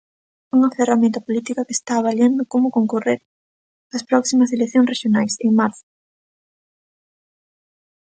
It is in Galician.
Unha ferramenta política que está avaliando como concorrer ás próximas eleccións rexionais, en marzo.